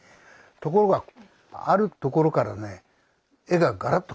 ところがあるところからね絵ががらっと変わるんですよ。